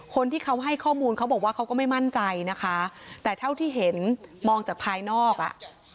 คนที่เขาให้ข้อมูลเขาบอกว่าเขาก็ไม่มั่นใจนะคะแต่เท่าที่เห็นมองจากภายนอกอ่ะ